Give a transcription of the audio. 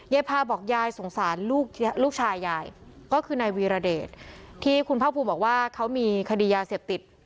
พาบอกยายสงสารลูกชายยายก็คือนายวีรเดชที่คุณภาคภูมิบอกว่าเขามีคดียาเสพติด